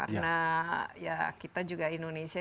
karena kita juga indonesia